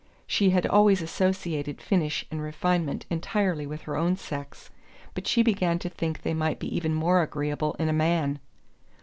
She had always associated finish and refinement entirely with her own sex, but she began to think they might be even more agreeable in a man.